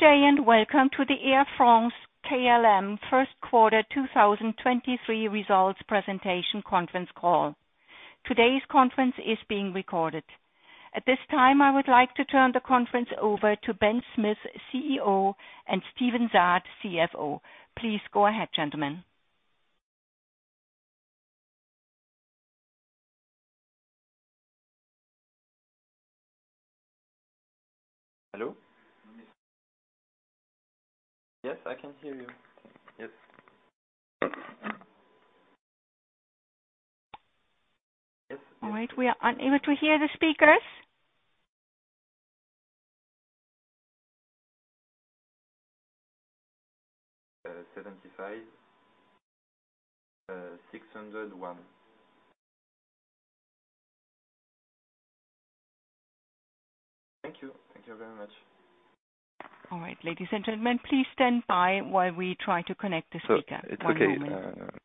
Good day, and welcome to the Air France-KLM Q1 2023 results presentation conference call. Today's conference is being recorded. At this time, I would like to turn the conference over to Benjamin Smith, CEO, and Steven Zaat, CFO. Please go ahead, gentlemen. Hello? Yes, I can hear you. Yes. All right. We are unable to hear the speakers. 75, 601. Thank you. Thank you very much. All right. Ladies and gentlemen, please stand by while we try to connect the speaker. One moment. Okay.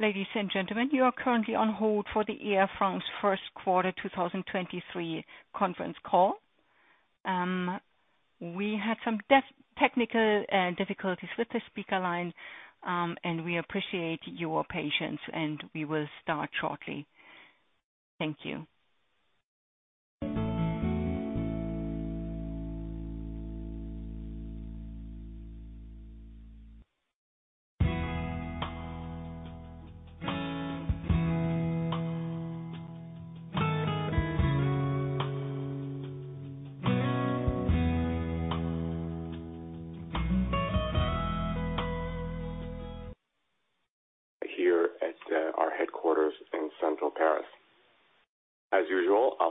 Ladies and gentlemen, you are currently on hold for the Air France Q1 2023 Conference Call. We had some technical difficulties with the speaker line. We appreciate your patience. We will start shortly. Thank you.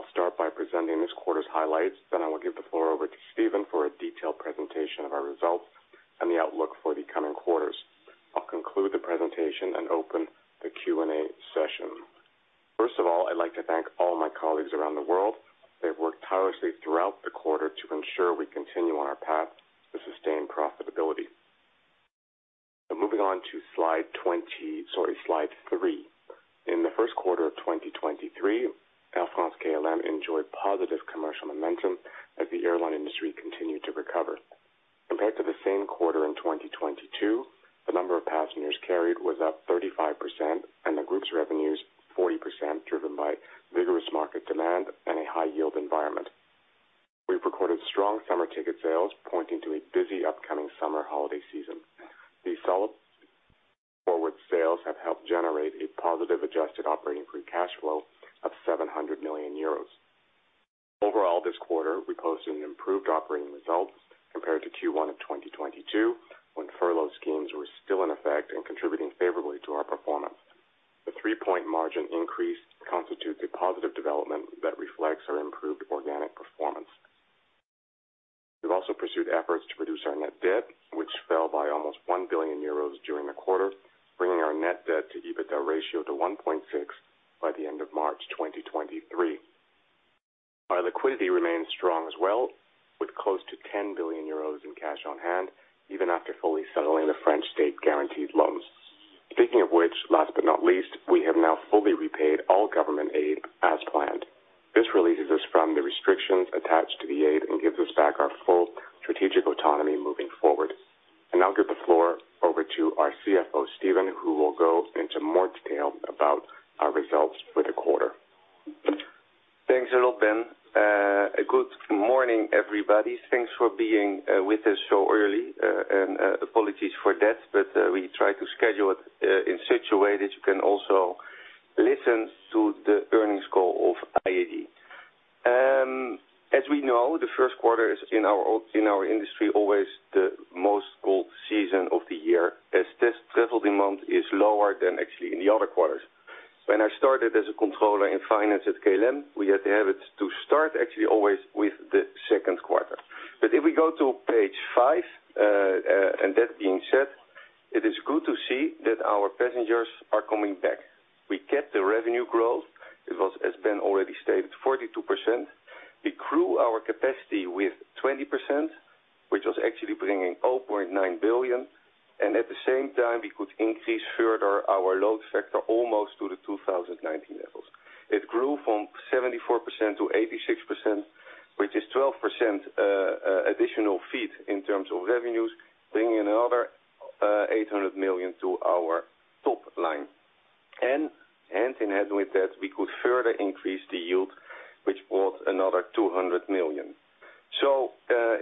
Here at our headquarters in central Paris. As usual, I'll start by presenting this quarter's highlights, I will give the floor over to Steven for a detailed presentation of our results and the outlook for the coming quarters. I'll conclude the presentation and open the Q&A session. First of all, I'd like to thank all my colleagues around the world. They've worked tirelessly throughout the quarter to ensure we continue on our path to sustain profitability. Moving on to Slide 3. In the Q1 of 2023, Air France-KLM enjoyed positive commercial momentum as the airline industry continued to recover. Compared to the same quarter in 2022, the number of passengers carried was up 35%, and the group's revenues 40%, driven by vigorous market demand and a high yield environment. We've recorded strong summer ticket sales, pointing to a busy upcoming summer holiday season. These solid forward sales have helped generate a positive adjusted operating free cash flow of 700 million euros. Overall, this quarter, we posted an improved operating result compared to Q1 of 2022, when furlough schemes were still in effect and contributing favorably to our performance. The three-point margin increase constitutes a positive development that reflects our improved organic performance. We've also pursued efforts to reduce our net debt, which fell by almost 1 billion euros during the quarter, bringing our net debt to EBITDA ratio to 1.6 by the end of March 2023. Our liquidity remains strong as well, with close to 10 billion euros in cash on hand. Guaranteed loans. Speaking of which, last but not least, we have now fully repaid all government aid as planned. This releases us from the restrictions attached to the aid and gives us back our full strategic autonomy moving forward. I'll give the floor over to our CFO, Steven, who will go into more detail about our results for the quarter. Thanks a lot, Ben. A good morning, everybody. Thanks for being with us so early. Apologies for that, but we try to schedule it in such a way that you can also listen to the earnings call of IAG. We know, the Q1 is in our own, in our industry, always the most cold season of the year, as this travel demand is lower than actually in the other quarters. When I started as a controller in finance at KLM, we had the habit to start actually always with the Q2. If we go to page five, and that being said, it is good to see that our passengers are coming back. We kept the revenue growth. It was, as Ben already stated, 42%. We grew our capacity with 20%, which was actually bringing 0.9 billion. At the same time, we could increase further our load factor almost to the 2019 levels. It grew from 74% - 86%, which is 12% additional fee in terms of revenues, bringing another 800 million to our top line. Hand in hand with that, we could further increase the yield, which was another 200 million.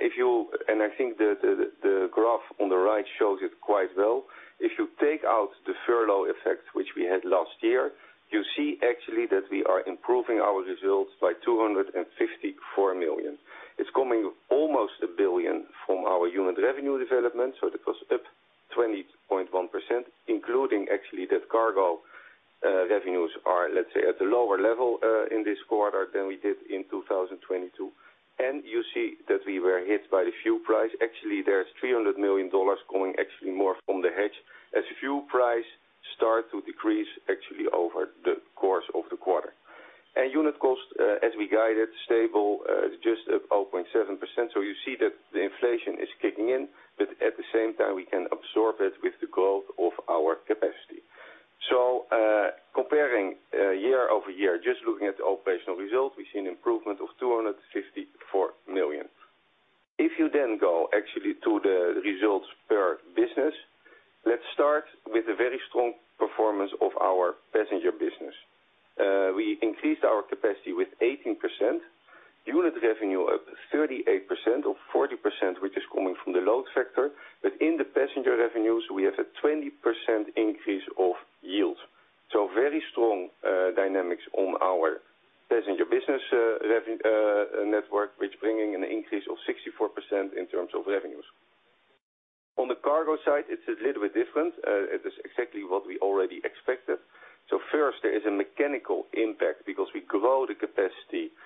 If you, I think the graph on the right shows it quite well. If you take out the furlough effect, which we had last year, you see actually that we are improving our results by 254 million. It's coming almost 1 billion from our unit revenue development, so that was up 20.1%, including actually that cargo revenues are, let's say, at a lower level in this quarter than we did in 2022. You see that we were hit by the fuel price. Actually, there's $300 million going actually more from the hedge as fuel price start to decrease actually over the course of the quarter. Unit cost, as we guided, stable, just at 0.7%. You see that the inflation is kicking in, but at the same time, we can absorb it with the growth of our capacity. Comparing year-over-year, just looking at the operational results, we see an improvement of 264 million. You then go actually to the results per business, let's start with the very strong performance of our passenger business. We increased our capacity with 18%, unit revenue up 38% or 40%, which is coming from the load factor. In the passenger revenues, we have a 20% increase of yield. Very strong dynamics on our passenger business network, which bringing an increase of 64% in terms of revenues. On the cargo side, it's a little bit different. It is exactly what we already expected. First, there is a mechanical impact because we grow the capacity of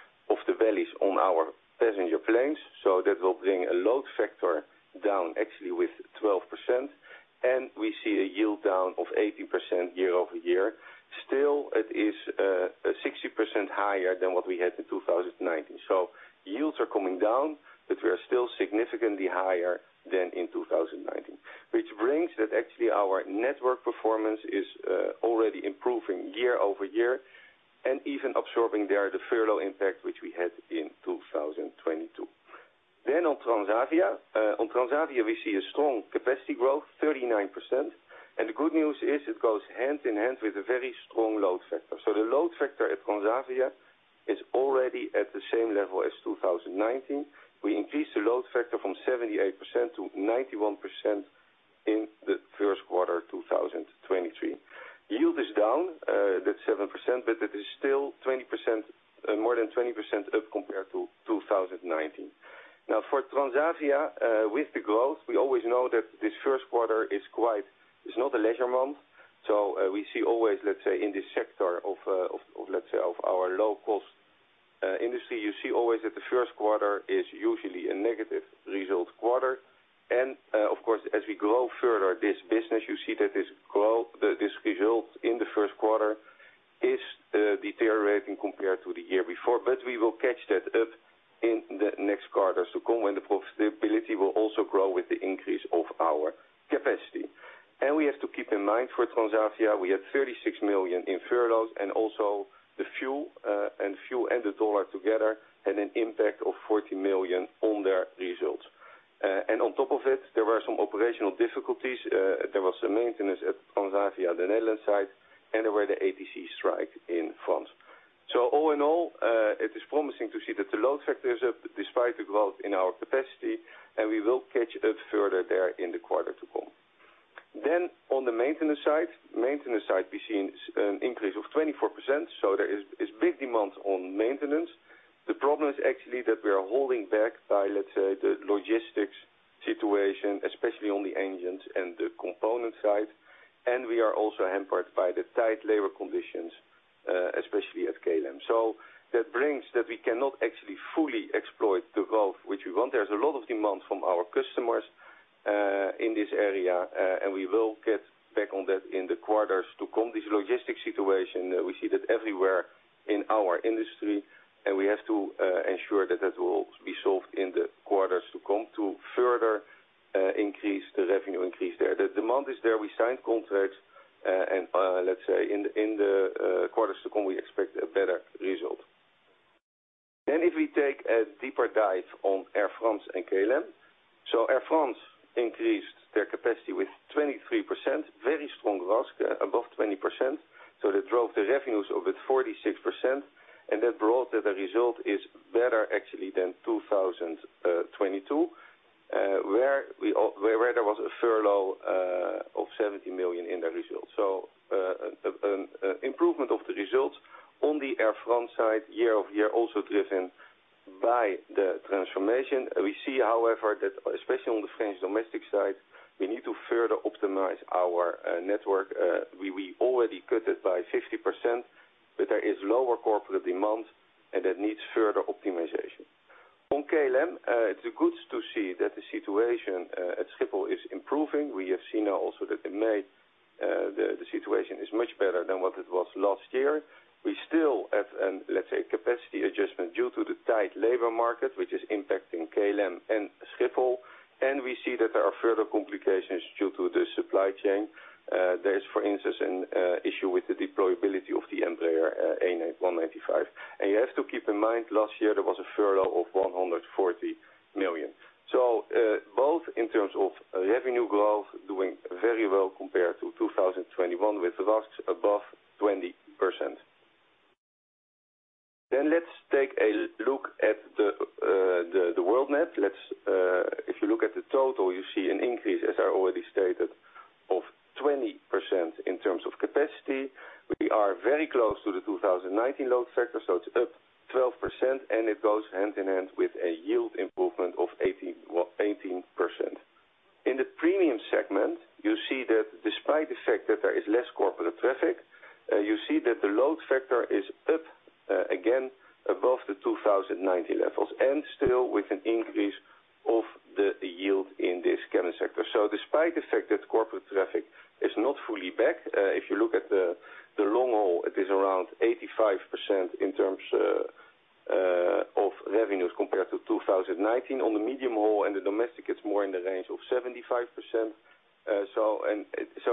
the bellies on our passenger planes, so that will bring a load factor down actually with 12%. We see a yield down of 18% year-over-year. It is 60% higher than what we had in 2019. Yields are coming down, but we are still significantly higher than in 2019. Brings that actually our network performance is already improving year-over-year and even absorbing there the furlough impact which we had in 2022. On Transavia. On Transavia, we see a strong capacity growth, 39%. The good news is it goes hand in hand with a very strong load factor. The load factor at Transavia is already at the same level as 2019. We increased the load factor from 78% to 91% in the Q1 2023. Yield is down, that's 7%, but it is still 20%, more than 20% up compared to 2019. Now, for Transavia, with the growth, we always know that this Q1 is quite, it's not a leisure month, so, we see always, let's say, in this sector of, let's say, of our low-cost industry, you see always that the Q1 is usually a negative result quarter. Of course, as we grow further this business, you see that this result in the Q1 is deteriorating compared to the year before, but we will catch that up in the next quarters to come, and the profitability will also grow with the increase of our capacity. We have to keep in mind for Transavia, we had 36 million in furloughs and also the fuel, and fuel and the dollar together had an impact of 40 million on their results. On top of it, there were some operational difficulties. There was some maintenance at Transavia, the Netherlands side, and there were the ATC strike in France. All in all, it is promising to see that the load factor is up despite the growth in our capacity, and we will catch it up further there in the quarter to come. On the maintenance side, we're seeing an increase of 24%, so there is big demand on maintenance. The problem is actually that we are holding back by, let's say, the logistics situation, especially on the engines and the component side. We are also hampered by the tight labor conditions, especially at KLM. That brings that we cannot actually fully exploit the growth which we want. There's a lot of demand from our customers, in this area, and we will get back on that in the quarters to come. This logistics situation, we see that everywhere in our industry, and we have to ensure that that will be solved in the quarters to come to further increase the revenue increase there. The demand is there. We signed contracts, and let's say in the quarter to come, we expect a better result. If we take a deeper dive on Air France and KLM. Air France increased their capacity with 23%, very strong growth, above 20%. That drove the revenues up with 46%. That brought that the result is better actually than 2022, where there was a furlough of 70 million in the results. An improvement of the results on the Air France side year-over-year, also driven by the transformation. We see, however, that especially on the French domestic side, we need to further optimize our network. We already cut it by 50%, but there is lower corporate demand, and that needs further optimization. On KLM, it's good to see that the situation at Schiphol is improving. We have seen also that in May, the situation is much better than what it was last year. We still have, let's say, capacity adjustment due to the tight labor market, which is impacting KLM and Schiphol. We see that there are further complications due to the supply chain. There is, for instance, an issue with the deployability of the Embraer E195. You have to keep in mind last year there was a furlough of 140 million. Both in terms of revenue growth, doing very well compared to 2021, with growth above 20%. Let's take a look at the Worldnet. Let's, if you look at the total, you see an increase, as I already stated, of 20% in terms of capacity. We are very close to the 2019 load factor, so it's up 12%, and it goes hand in hand with a yield improvement of 18%. In the premium segment, you see that despite the fact that there is less corporate traffic, you see that the load factor is up again above the 2019 levels and still with an increase of the yield in this segment sector. Despite the fact that corporate traffic is not fully back, if you look at the long haul, it is around 85% in terms of revenues compared to 2019. On the medium haul and the domestic, it's more in the range of 75%.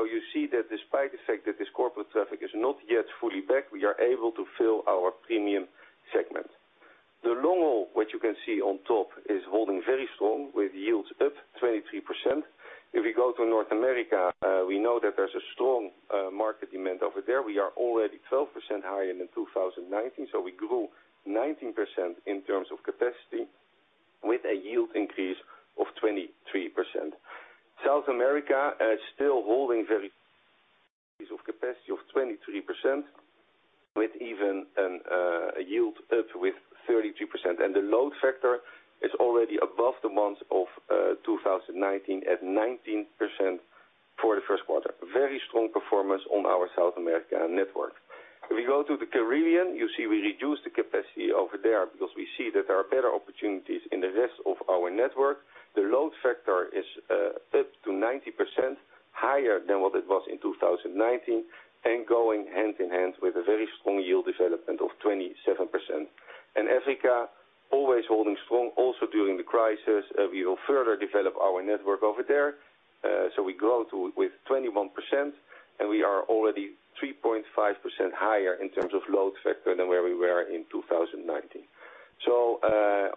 You see that despite the fact that this corporate traffic is not yet fully back, we are able to fill our premium segment. The long haul, which you can see on top, is holding very strong with yields up 23%. If we go to North America, we know that there's a strong market demand over there. We are already 12% higher than in 2019, so we grew 19% in terms of capacity with a yield increase of 23%. South America, still holding very increase of capacity of 23%, with even an a yield up with 32%. The load factor is already above the months of 2019 at 19% for the Q1. Very strong performance on our South America network. If we go to the Caribbean, you see we reduced the capacity over there because we see that there are better opportunities in the rest of our network. The load factor is up to 90% higher than what it was in 2019, and going hand in hand with a very strong yield development of 27%. Africa always holding strong also during the crisis. We will further develop our network over there. We grow with 21%, and we are already 3.5% higher in terms of load factor than where we were in 2019.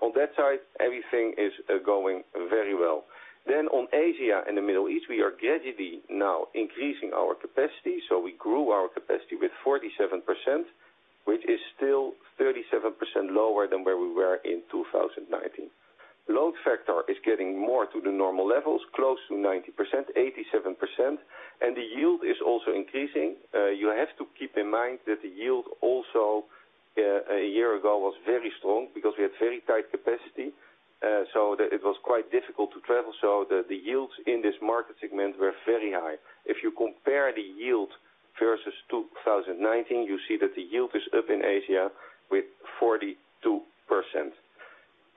On that side, everything is going very well. On Asia and the Middle East, we are gradually now increasing our capacity. We grew our capacity with 47%, which is still 37% lower than where we were in 2019. Load factor is getting more to the normal levels, close to 90%, 87%. The yield is also increasing. You have to keep in mind that the yield also, a year ago was very strong because we had very tight capacity. It was quite difficult to travel so the yields in this market segment were very high. If you compare the yield versus 2019, you see that the yield is up in Asia with 42%.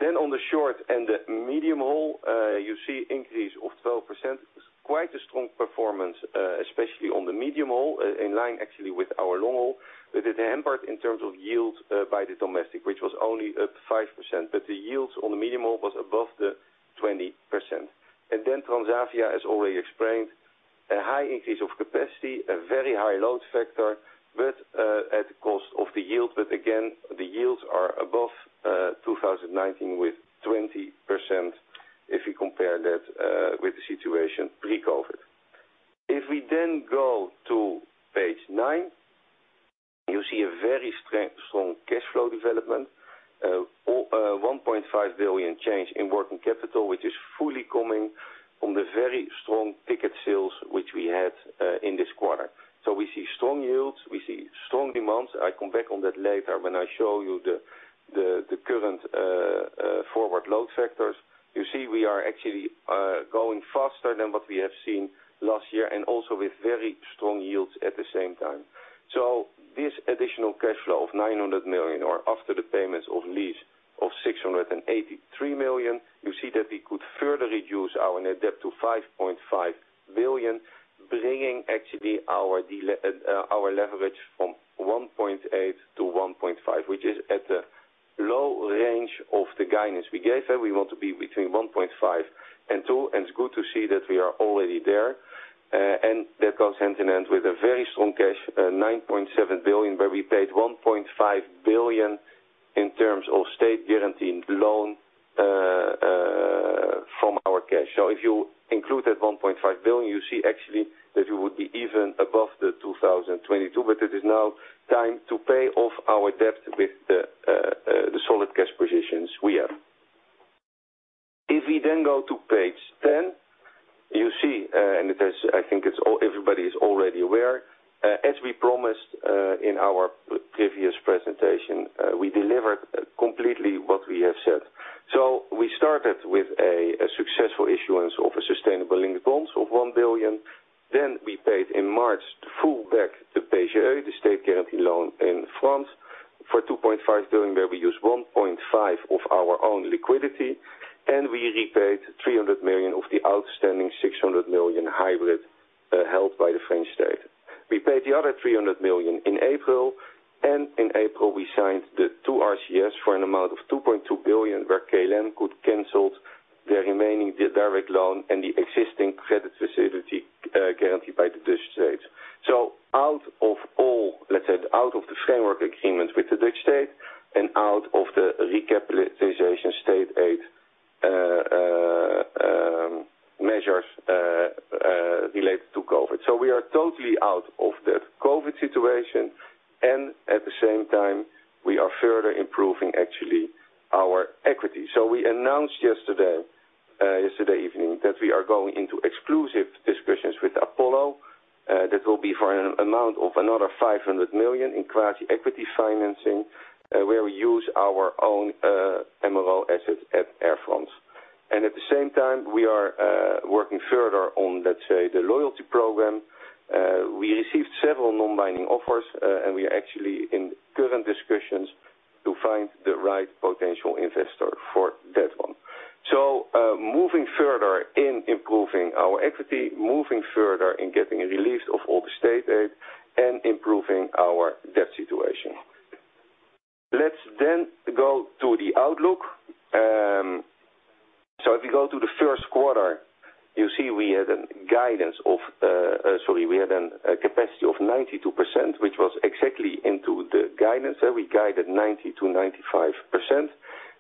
On the short and the medium haul, you see increase of 12%. Quite a strong performance, especially on the medium haul, in line actually with our long haul, but it's hampered in terms of yield, by the domestic, which was only up 5%. The yields on the medium haul was above the 20%. Transavia, as already explained, a high increase of capacity, a very high load factor, but at the cost of the yield. Again, the yields are above 2019 with 20% if you compare that with the situation pre-COVID. If we go to page 9, you see a very strong cash flow development. 1.5 billion change in working capital, which is fully coming from the very strong ticket sales which we had in this quarter. We see strong yields. We see strong demands. I come back on that later when I show you the current forward load factors. You see, we are actually going faster than what we have seen last year and also with very strong yields at the same time. This additional cash flow of 900 million, or after the payments of lease of 683 million, you see that we could further reduce our net debt to 5.5 billion, bringing actually our leverage from 1.8 - 1.5, which is at the low range of the guidance we gave, and we want to be between 1.5 and 2, and it's good to see that we are already there. That goes hand-in-hand with a very strong cash, 9.7 billion, where we paid 1.5 billion in terms of state-guaranteed loan from our cash. If you include that 1.5 billion, you see actually that we would be even above 2022. It is now time to pay off our debt with the solid cash positions we have. If we then go to page 10, you see, and it is, I think it's everybody is already aware, as we promised, in our previous presentation, we delivered completely what we have said. We started with a successful issuance of a sustainability-linked bonds of 1 billion. We paid in March to full back the PGE, the state-guaranteed loan in France for 2.5 billion, where we used 1.5 of our own liquidity, and we repaid 300 million of the outstanding 600 million hybrid held by the French state. We paid the other 300 million in April. In April we signed the two RCFs for an amount of 2.2 billion where KLM could canceled the remaining, the direct loan and the existing credit facility, guaranteed by the Dutch state. Out of all, let's say out of the framework agreement with the Dutch state and out of the recapitalization state aid measures related to COVID. We are totally out of that COVID situation. At the same time, we are further improving actually our equity. We announced yesterday evening that we are going into exclusive discussions with Apollo, that will be for an amount of another 500 million in quasi equity financing, where we use our own MRO assets at Air France. At the same time, we are working further on, let's say, the loyalty program. We received several non-binding offers, and we are actually in current discussions to find the right potential investor for that one. Moving further in improving our equity, moving further in getting a release of all the state aid and improving our debt situation. Let's go to the outlook. If you go to the Q1, you see we had a guidance of, sorry, we had an capacity of 92%, which was exactly into the guidance that we guided 90%-95%.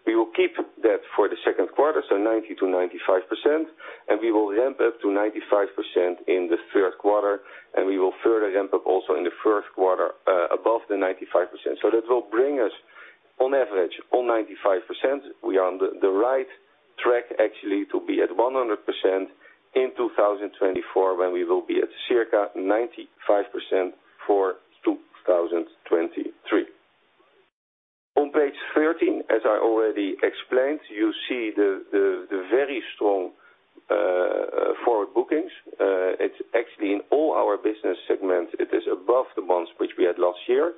We will keep that for the Q2, so 90%-95%, and we will ramp up to 95% in the Q3, and we will further ramp up also in the Q1, above the 95%. That will bring us on average on 95%. We are on the right track actually to be at 100% in 2024, when we will be at circa 95% for 2023. On page 13, as I already explained, you see the very strong forward bookings. It's actually in all our business segments, it is above the months which we had last year.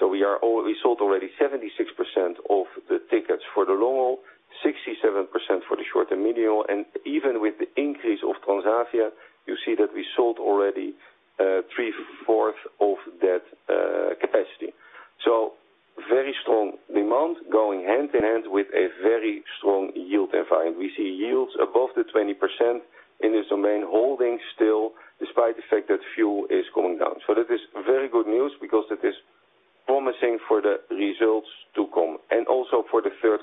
We sold already 76% of the tickets for the long-haul, 67% for the short and medium-haul. Even with the increase of Transavia, you see that we sold already three-fourth of that capacity. Very strong demand going hand-in-hand with a very strong yield environment. We see yields above the 20% in this domain holding still, despite the fact that fuel is going down. That is very good news because that is promising for the results to come. Also for the Q3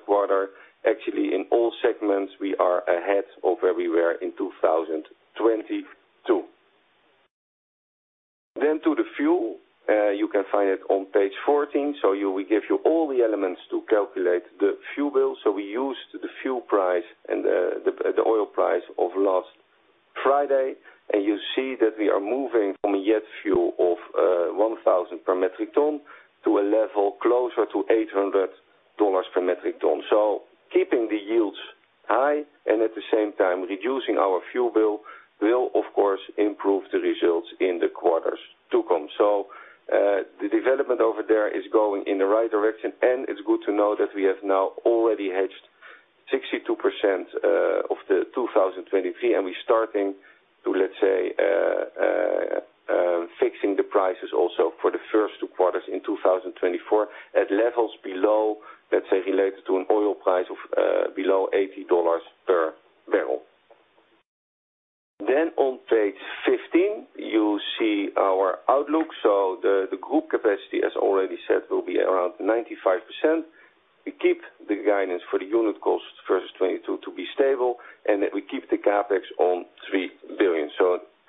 actually in all segments, we are ahead of where we were in 2022. To the fuel, you can find it on page 14. We give you all the elements to calculate the fuel bill. We used the fuel price and the oil price of last Friday, and you see that we are moving from a jet fuel of 1,000 per metric ton to a level closer to $800 per metric ton. Keeping the yields high and at the same time reducing our fuel bill will of course improve the results in the quarters to come. The development over there is going in the right direction, and it's good to know that we have now already hedged 62% of the 2023. We're starting to, let's say, fixing the prices also for the first two quarters in 2024 at levels below, let's say, related to an oil price of below $80 per barrel. On page 15, you see our outlook. The group capacity, as already said, will be around 95%. We keep the guidance for the unit cost for 22 to be stable, and that we keep the CapEx on 3 billion.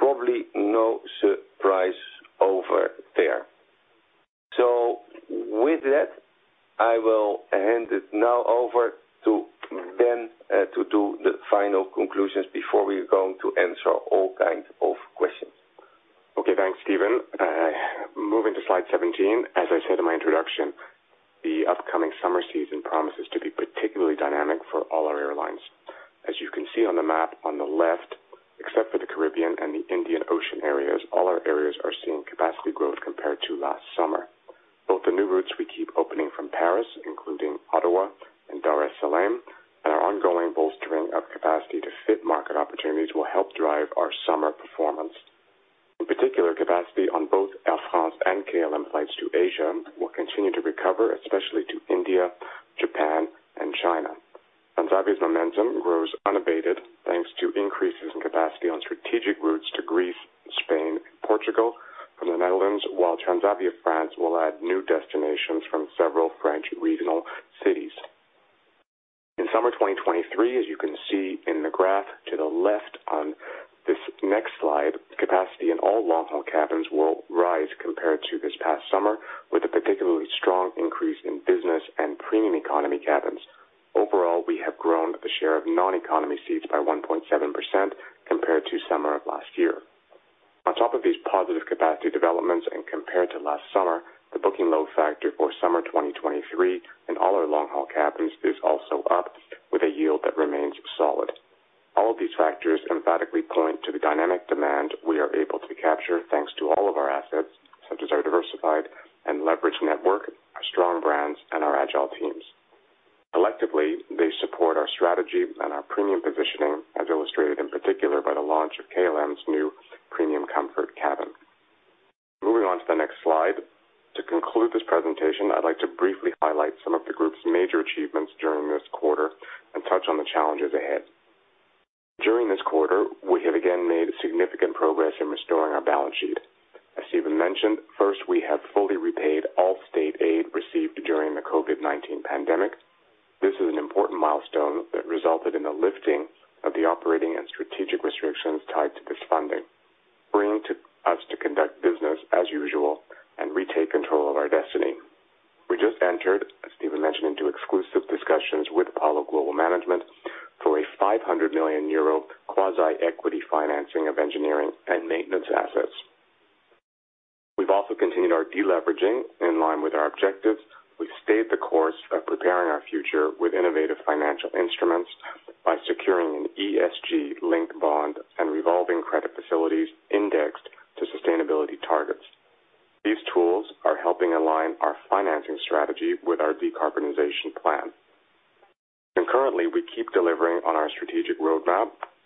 Probably no surprise over there. With that, I will hand it now over to Ben to do the final conclusions before we're going to answer all kinds of questions. Okay. Thanks, Steven. Moving to slide 17. As I said in my introduction, the upcoming summer season promises to be particularly dynamic for all our airlines. As you can see on the map on the left, except for the Caribbean and the Indian Ocean areas,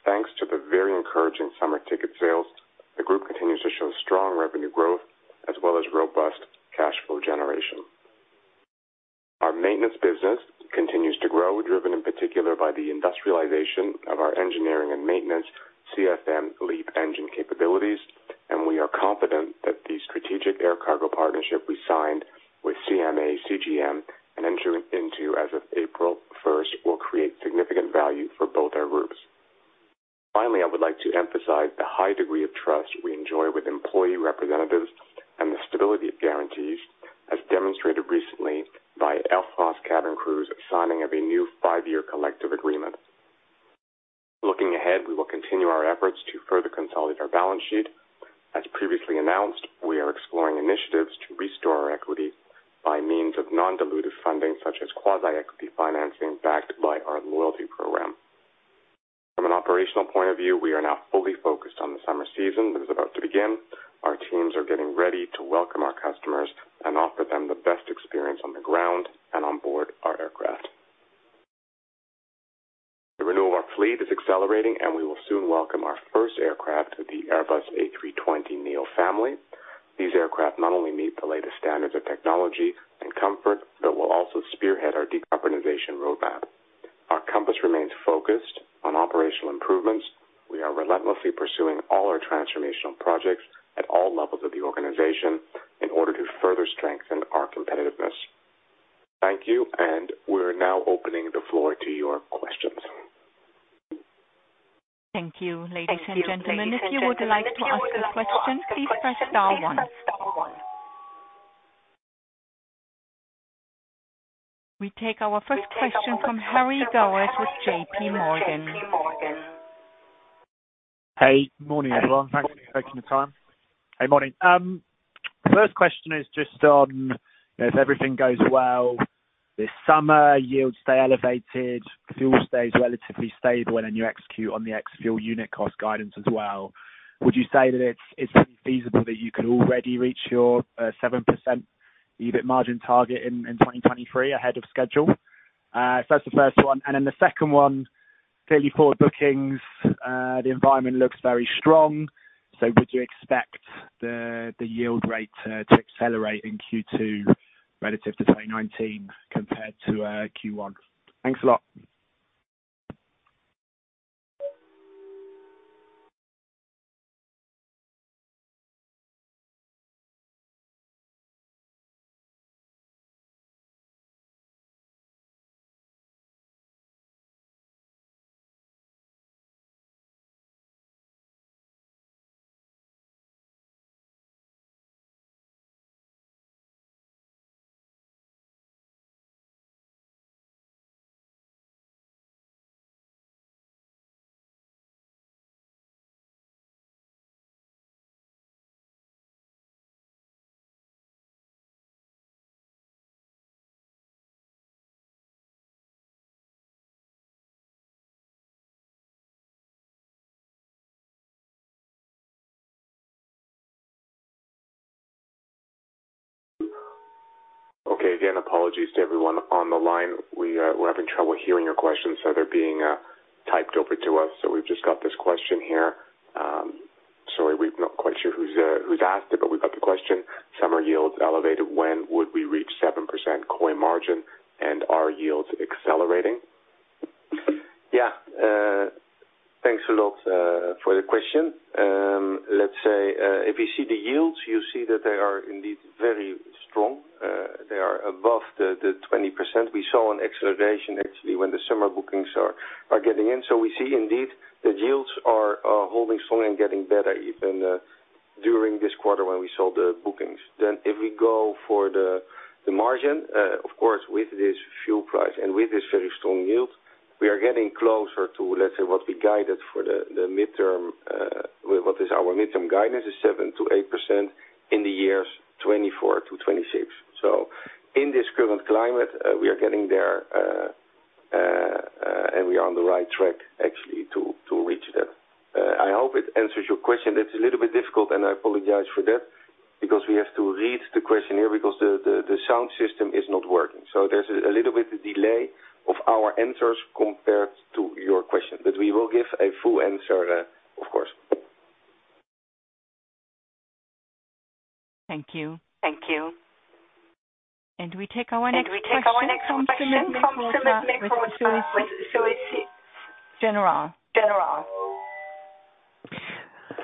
Thanks to the very encouraging summer ticket sales, the group continues to show strong revenue growth as well as robust cash flow generation. Our maintenance business continues to grow, driven in particular by the industrialization of our engineering and maintenance, CFM LEAP engine capabilities, and we are confident that the strategic air cargo partnership we signed with CMA CGM and entering into as of April first will create significant value for both our groups. Finally, I would like to emphasize the high degree of trust we enjoy with employee representatives and the stability of guarantees, as demonstrated recently by Air France cabin crews signing of a new five-year collective agreement. Looking ahead, we will continue our efforts to further consolidate our balance sheet. As previously announced, we are exploring initiatives to restore our equity by means of non-dilutive funding such as quasi-equity financing, backed by our loyalty program. From an operational point of view, we are now fully focused on the summer season that is about to begin. Our teams are getting ready to welcome our customers and offer them the best experience on the ground and on board our aircraft. The renewal of our fleet is accelerating, and we will soon welcome our first aircraft to the Airbus A320 neo family. These aircraft not only meet the latest standards of technology and comfort, but will also spearhead our decarbonization roadmap. Our compass remains focused on operational improvements. We are relentlessly pursuing all our transformational projects at all levels of the organization in order to further strengthen our competitiveness. Thank you, and we're now opening the floor to your questions. Thank you. Ladies and gentlemen, if you would like to ask a question, please press star one. We take our first question from Harry Gowers with JPMorgan. Hey, morning, everyone. Thanks for taking the time. Hey, morning. First question is just on if everything goes well this summer, yields stay elevated, fuel stays relatively stable, and then you execute on the ex-fuel unit cost guidance as well. Would you say that it's feasible that you could already reach your 7% EBIT margin target in 2023 ahead of schedule? Clearly forward bookings, the environment looks very strong. Would you expect the yield rate to accelerate in Q2 relative to 2019 compared to Q1? Thanks a lot. Okay. Again, apologies to everyone on the line. We, we're having trouble hearing your questions, they're being typed over to us. We've just got this question here. Sorry, we're not quite sure who's asked it, but we've got the question. Summer yields elevated. When would we reach 7% COI margin? Are yields accelerating? Yeah. Thanks a lot for the question. Let's say, if you see the yields, you see that they are indeed very strong. They are above the 20%. We saw an acceleration actually when the summer bookings are getting in. We see indeed that yields are holding strong and getting better even during this quarter when we saw the bookings. If we go for the margin, of course, with this fuel price and with this very strong yields, we are getting closer to, let's say, what we guided for the midterm, what is our midterm guidance is 7%-8% in the years 2024 to 2026. In this current climate, we are getting there, and we are on the right track actually to reach that. I hope it answers your question. It's a little bit difficult, and I apologize for that because we have to read the question here because the sound system is not working. There's a little bit delay of our answers compared to your question. We will give a full answer, of course. Thank you. We take our next question from Sumit Mehrotra with Société Générale.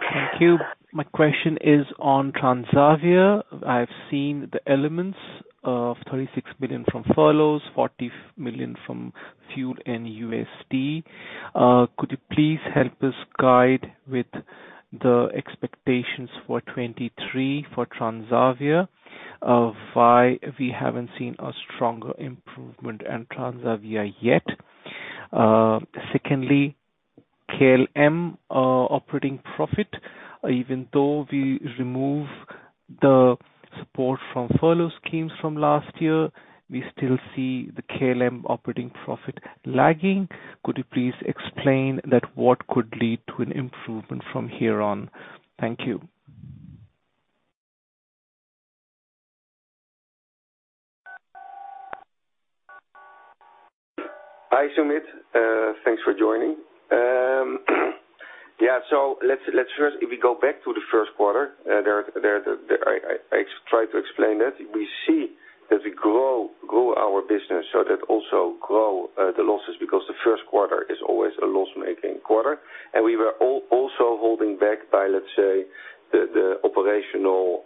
Thank you. My question is on Transavia. I've seen the elements of $36 million from furloughs, $40 million from fuel and USD. Could you please help us guide with the expectations for 2023 for Transavia? Why we haven't seen a stronger improvement in Transavia yet? Secondly, KLM operating profit. Even though we remove the support from furlough schemes from last year, we still see the KLM operating profit lagging. Could you please explain that what could lead to an improvement from here on? Thank you. Hi, Sumit. Thanks for joining. Let's first if we go back to the Q1, I try to explain that. We see that we grow our business so that also grow the losses because the Q1 is always a loss-making quarter. We were also holding back by, let's say, the operational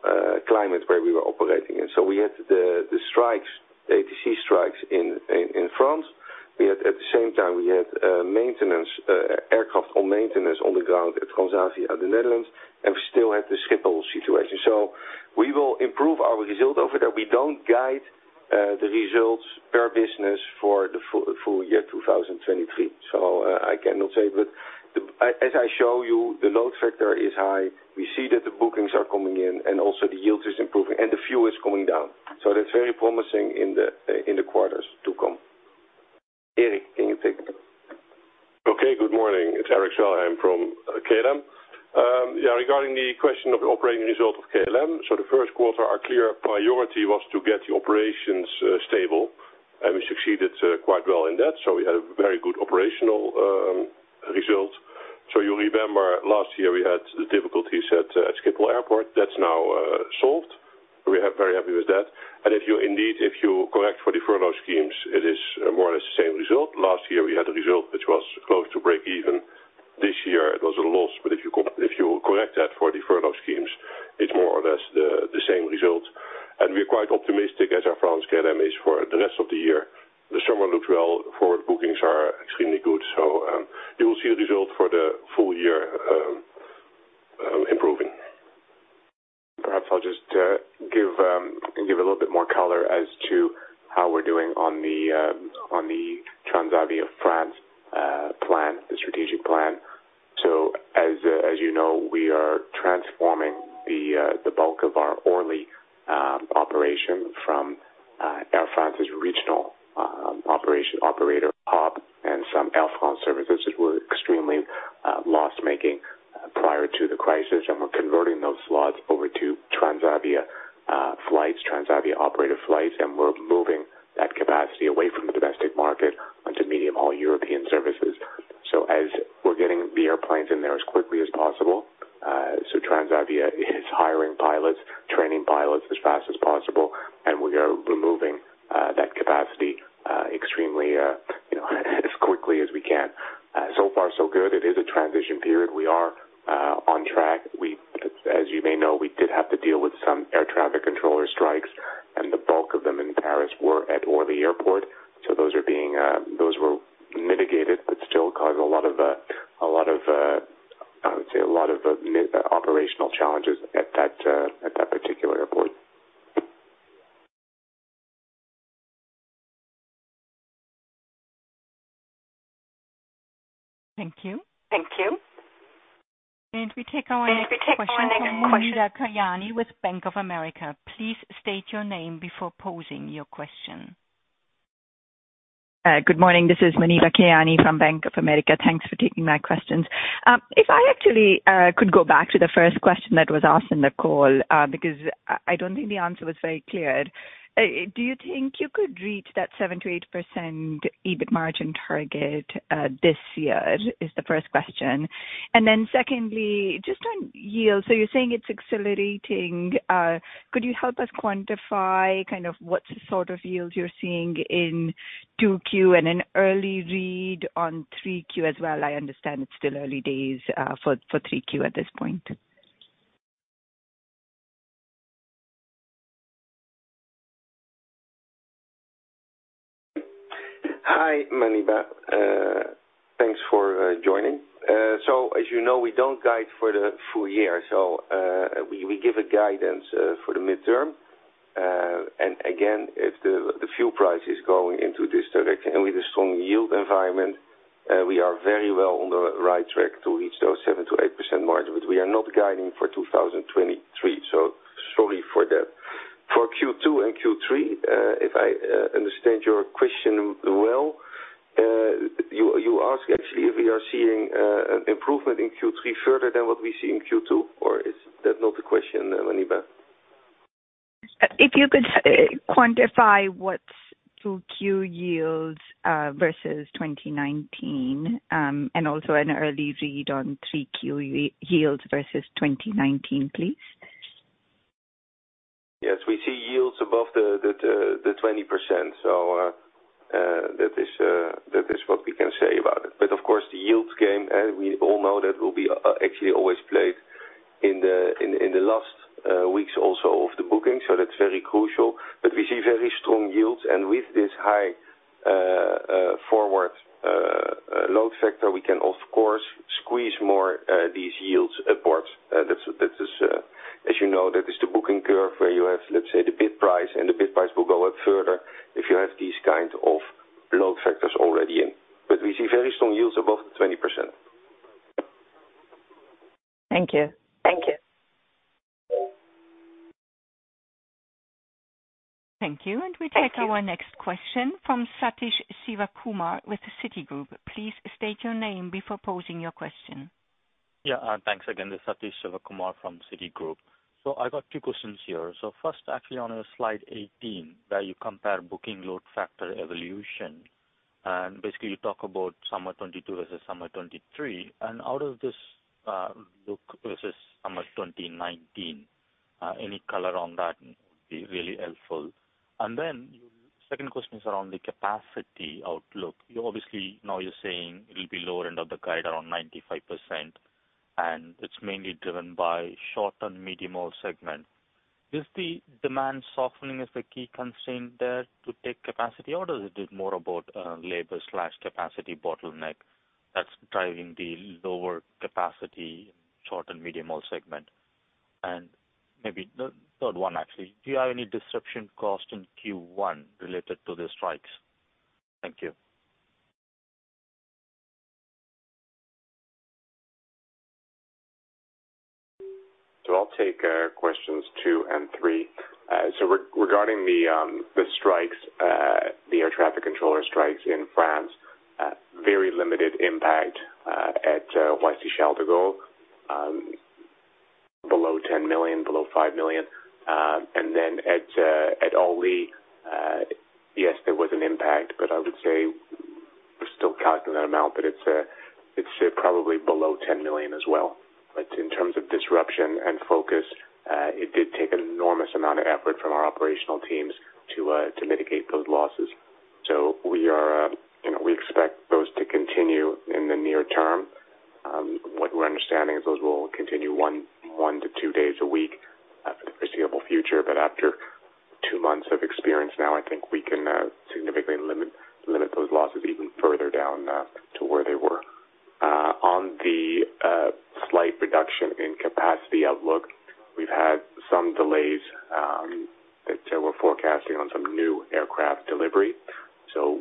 climate where we were operating in. We had the strikes, the ATC strikes in France. We had, at the same time, we had maintenance aircraft on maintenance on the ground at Transavia and the Netherlands, and we still have the Schiphol situation. We will improve our result over there. We don't guide the results per business for the full year 2023. I cannot say. As I show you, the load factor is high. We see that the bookings are coming in and also the yields is improving and the fuel is coming down. That's very promising in the quarters to come. Eric, can you take? Good morning. It's Erik Swelheim from KLM. Yeah, regarding the question of the operating result of KLM. The Q1, our clear priority was to get the operations stable, and we succeeded quite well in that. We had a very good operational result. You remember last year we had the difficulties at Schiphol Airport. That's now solved. We are very happy with that. If you indeed, if you correct for the furlough schemes, it is more or less the same result. Last year, we had a result which was close to breakeven. This year it was a loss. If you correct that for the furlough schemes, it's more or less the same result. We're quite optimistic, as Air France-KLM is, for the rest of the year. The summer looks well. Forward bookings are extremely good. You will see the result for the full year, improving. Perhaps I'll just give a little bit more color as to how we're doing on the Transavia France plan, the strategic plan. As, as you know, we are transforming the bulk of our Orly operation from Air France's regional operation operator hub and some Air France services which were extremely loss-making prior to the crisis. We're converting those slots over to Transavia flights, Transavia-operated flights, and we're moving that capacity away from the domestic market onto medium-haul European services. As we're getting the airplanes in there as quickly as possible, Transavia is hiring pilots, training pilots as fast as possible, and we are removing that capacity extremely, you know, as quickly as we can. Far, so good. It is a transition period. We are on track. We, as you may know, we did have to deal with some air traffic controller strikes, and the bulk of them in Paris were at Orly Airport. Those are being, those were mitigated but still caused a lot of, I would say a lot of operational challenges at that, at that particular airport. Thank you. We take our next question from Muneeba Kayani with Bank of America. Please state your name before posing your question. Good morning. This is Muneeba Kayani from Bank of America. Thanks for taking my questions. If I actually could go back to the first question that was asked in the call, because I don't think the answer was very clear. Do you think you could reach that 7%-8% EBIT margin target this year? Is the first question. Secondly, just on yield, you're saying it's accelerating. Could you help us quantify kind of what sort of yields you're seeing in 2Q and an early read on 3Q as well? I understand it's still early days for 3Q at this point. Hi, Muneeba, thanks for joining. As you know, we don't guide for the full year. We give a guidance for the midterm. Again, if the fuel price is going into this direction and with a strong yield environment, we are very well on the right track to reach those 7%-8% margin. We are not guiding for 2023, sorry for that. For Q2 and Q3, if I understand your question well, you ask actually if we are seeing improvement in Q3 further than what we see in Q2, or is that not the question, Muneeba? If you could quantify what's 2Q yields, versus 2019, and also an early read on 3Q yields versus 2019, please. Yes, we see yields above the 20%. That is what we can say about it. Of course, the yields game, and we all know that will be actually always played in the last weeks also of the booking. That's very crucial. We see very strong yields. With this high forward load factor, we can of course squeeze more these yields upwards. That's, that is, as you know, that is the booking curve where you have, let's say, the bid price and the bid price will go up further if you have these kind of load factors already in. We see very strong yields above the 20%. Thank you. Thank you. Thank you. Thank you. We take our next question from Sathish Sivakumar with Citigroup. Please state your name before posing your question. Yeah. Thanks again. This is Sathish Sivakumar from Citigroup. I've got two questions here. First, actually on slide 18, where you compare booking load factor evolution, and basically you talk about summer '22 versus summer '23. Out of this, look versus summer 2019, any color on that would be really helpful. Second question is around the capacity outlook. You obviously now you're saying it'll be lower end of the guide around 95%, and it's mainly driven by short and medium haul segment. Is the demand softening is the key constraint there to take capacity? Or does it more about labor/capacity bottleneck that's driving the lower capacity in short and medium haul segment? Maybe the third one actually, do you have any disruption cost in Q1 related to the strikes? Thank you. I'll take questions two and three. Regarding the strikes, the air traffic controller strikes in France, very limited impact at Roissy Charles de Gaulle, below 10 million, below 5 million. At Orly, yes, there was an impact, I would say we're still calculating that amount, it's probably below 10 million as well. In terms of disruption and focus, it did take an enormous amount of effort from our operational teams to mitigate those losses. We are, you know, we expect those to continue in the near term. What we're understanding is those will continue one to two days a week for the foreseeable future. After two months of experience now, I think we can significantly limit those losses even further down to where they were. On the slight reduction in capacity outlook, we've had some delays that we're forecasting on some new aircraft delivery.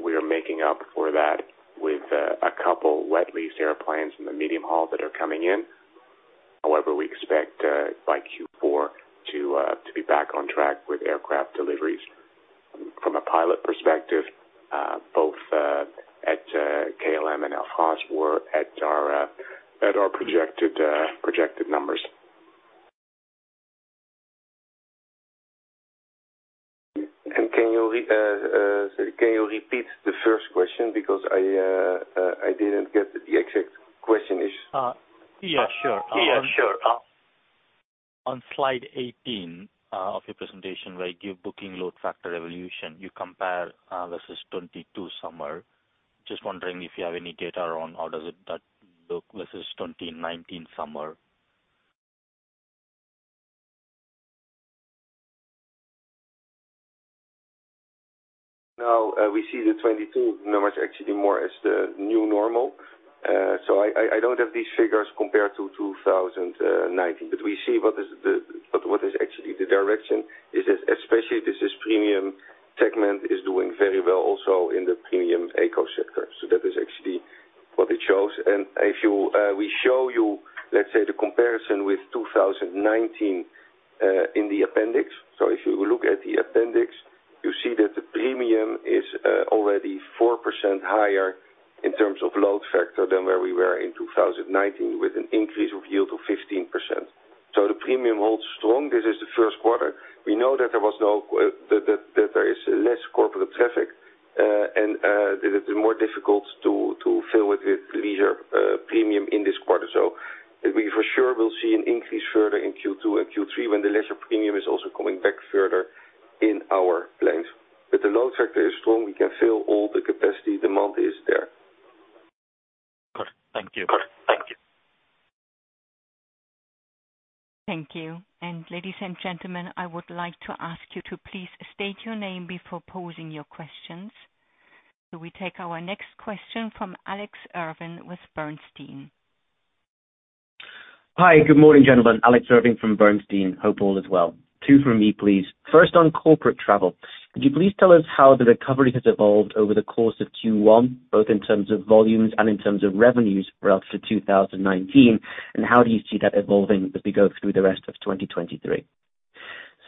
We are making up for that with a couple wet lease airplanes in the medium haul that are coming in. However, we expect by Q4 to be back on track with aircraft deliveries. From a pilot perspective, both at KLM and Air France were at our projected numbers. Can you repeat the first question? Because I didn't get the exact question is. Yeah, sure. Yeah, sure. On slide 18 of your presentation, where you give booking load factor evolution, you compare versus 2022 summer. Just wondering if you have any data on how does that look versus 2019 summer? We see the 22 numbers actually more as the new normal. I don't have these figures compared to 2019. We see what is the, what is actually the direction is especially this is premium segment is doing very well also in the premium ecosystem. If you, we show you, let's say the comparison with 2019 in the appendix. If you look at the appendix, you see that the premium is already 4% higher in terms of load factor than where we were in 2019, with an increase of yield of 15%. The premium holds strong. This is the 1st quarter. We know that there is less corporate traffic and that it's more difficult to fill with leisure premium in this quarter. We for sure will see an increase further in Q2 and Q3 when the leisure premium is also coming back further in our planes. The load factor is strong, we can fill all the capacity. Demand is there. Good. Thank you. Thank you. Ladies and gentlemen, I would like to ask you to please state your name before posing your questions. We take our next question from Alex Irving with Bernstein. Hi, good morning, gentlemen. Alex Irving from Bernstein. Hope all is well. 2 for me, please. First on corporate travel. Could you please tell us how the recovery has evolved over the course of Q1, both in terms of volumes and in terms of revenues relative to 2019, and how do you see that evolving as we go through the rest of 2023?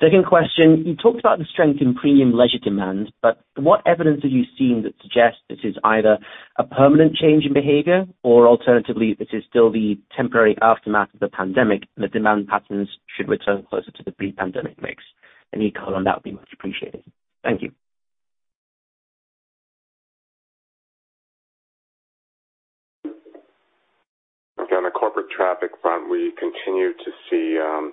Second question, you talked about the strength in premium leisure demand. What evidence have you seen that suggests this is either a permanent change in behavior or alternatively, this is still the temporary aftermath of the pandemic, the demand patterns should return closer to the pre-pandemic mix? Any color on that would be much appreciated. Thank you. Okay. On the corporate traffic front, we continue to see a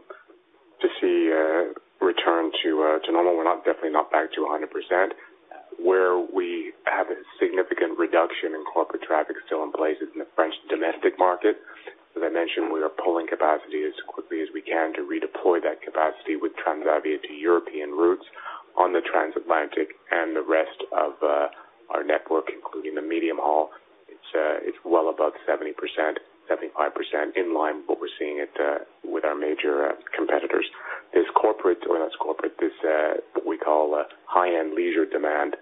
return to normal. We're not, definitely not back to 100%. Where we have a significant reduction in corporate traffic still in place is in the French domestic market. As I mentioned, we are pulling capacity as quickly as we can to redeploy that capacity with Transavia to European routes on the Transatlantic and the rest of our network, including the medium haul. It's well above 70%, 75% in line with what we're seeing with our major competitors. What we call a high-end leisure demand,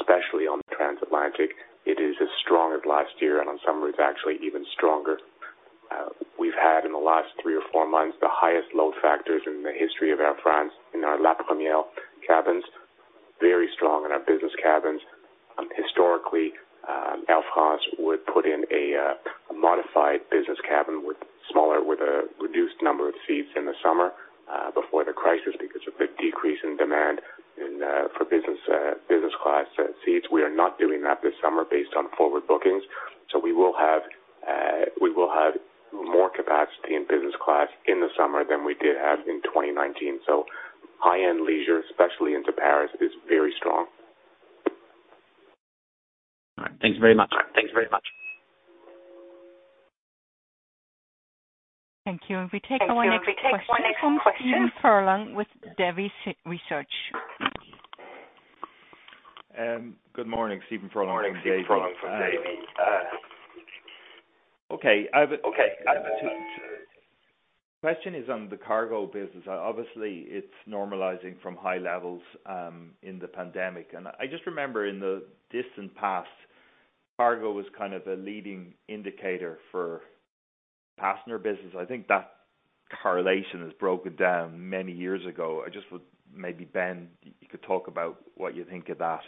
especially on Transatlantic, it is as strong as last year, and on some routes actually even stronger. We've had in the last 3 or 4 months, the highest load factors in the history of Air France in our La Première cabins, very strong in our business cabins. Historically, Air France would put in a modified business cabin with a reduced number of seats in the summer, before the crisis because of the decrease in demand for business class seats. We are not doing that this summer based on forward bookings, we will have more capacity in business class in the summer than we did have in 2019. High-end leisure, especially into Paris, is very strong. All right. Thanks very much. Thank you. We take our next question from Stephen Furlong with Davy Research. Good morning, Stephen Furlong from Davy. Question is on the cargo business. Obviously, it's normalizing from high levels in the pandemic. I just remember in the distant past, cargo was kind of a leading indicator for passenger business. I think that correlation has broken down many years ago. Maybe, Ben, you could talk about what you think of that.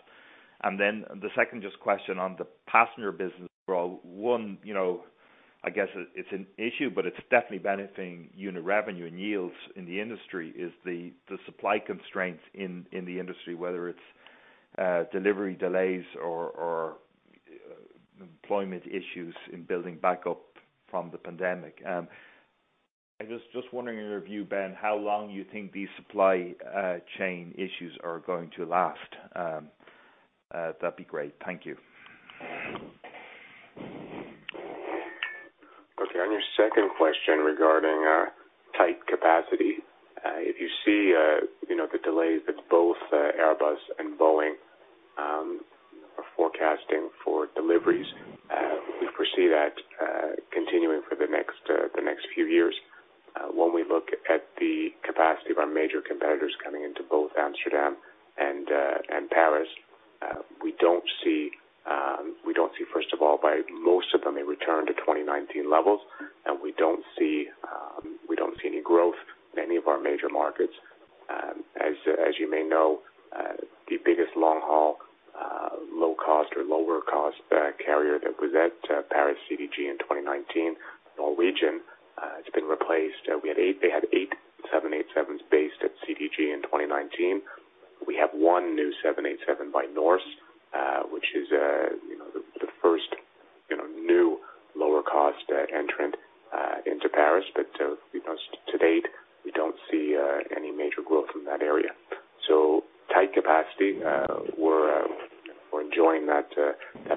The second just question on the passenger business for one, you know, I guess it's an issue, but it's definitely benefiting unit revenue and yields in the industry is the supply constraints in the industry, whether it's delivery delays or employment issues in building back up from the pandemic. I was just wondering your view, Ben, how long you think these supply chain issues are going to last. That'd be great. Thank you. Okay. On your second question regarding tight capacity, if you see, you know, the delays that both Airbus and Boeing are forecasting for deliveries, we foresee that continuing for the next few years. When we look at the capacity of our major competitors coming into both Amsterdam and Paris, we don't see, first of all, by most of them, a return to 2019 levels. We don't see any growth in any of our major markets. As, as you may know, the biggest long haul, low cost or lower cost carrier that was at Paris CDG in 2019, Norwegian, has been replaced. They had 8 787s based at CDG in 2019. We have 1 new 787 by Norse, which is, you know, the first, you know, new lower-cost entrant into Paris. You know, to date, we don't see any major growth in that area. Tight capacity, we're enjoying that